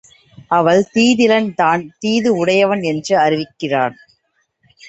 அவள் தீதிலள் தான் தீது உடையவன் என்று அறிவிக்கிறான்.